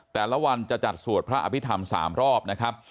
แต่ละวันจะจัดสวดพระอภิษฐรรม๓รอบนะครับ